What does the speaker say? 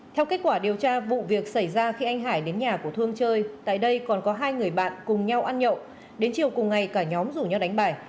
theo kết quả điều tra vụ việc xảy ra khi anh hải đến nhà của thương chơi tại đây còn có hai người bạn cùng nhau ăn nhậu đến chiều cùng ngày cả nhóm rủ nhau đánh bài